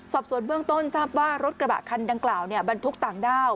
สอบสวนเบื้องต้นทราบว่ารถกระบะคันดังกล่าวบรรทุกต่างด้าว